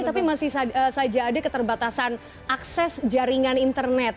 tapi masih saja ada keterbatasan akses jaringan internet